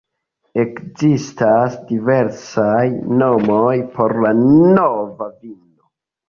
Ekzistas diversaj nomoj por la nova vino.